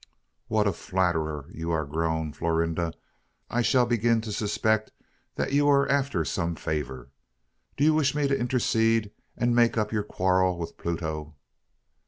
"What a flatterer you are grown, Florinda! I shall begin to suspect that you are after some favour. Do you wish me to intercede, and make up your quarrel with Pluto?"